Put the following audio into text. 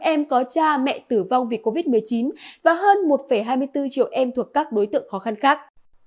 một năm trăm linh em có cha mẹ tử vong vì covid một mươi chín và hơn một hai mươi bốn triệu em thuộc các đối tượng khó khăn khác